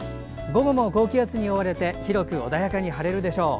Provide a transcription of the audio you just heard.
午後も高気圧に覆われて広く穏やかに晴れるでしょう。